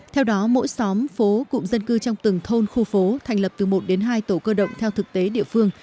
theo đó mỗi xóm phố cụm dân cư trong từng thôn khu phố thành lập từ một đến hai tổ cơ động theo thực tế địa phương